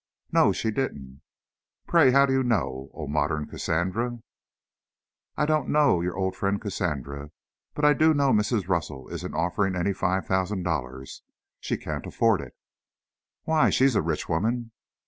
"No, she didn't." "Pray, how do you know, oh, modern Cassandra?" "I don't know your old friend Cassandra, but I do know Mrs. Russell isn't offering any five thousand dollars. She can't afford it." "Why, she's a rich woman."